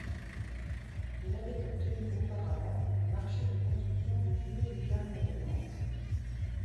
Il avait obtenu auparavant le marché de construction du jubé des Carmes de Nantes.